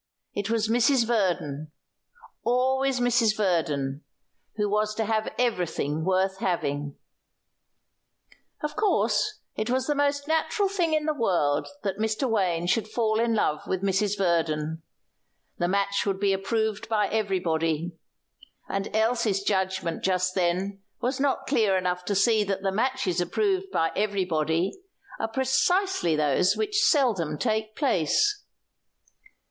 It was Mrs. Verdon always Mrs. Verdon who was to have everything worth having. Of course, it was the most natural thing in the world that Mr. Wayne should fall in love with Mrs. Verdon. The match would be approved by everybody, and Elsie's judgment just then was not clear enough to see that the matches approved by everybody are precisely those which seldom take place.